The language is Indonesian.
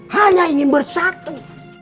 hanya ingin bersatu